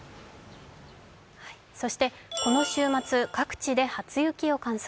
この週末、各地で初雪を観測。